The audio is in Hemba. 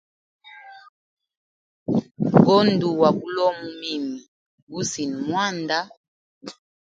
Go nduwa bulomo mimi gusinamwanda.